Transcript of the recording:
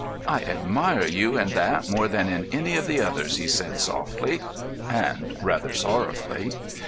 "I admire you in that more than in any of the others," he said, softly, and rather sorrowfully.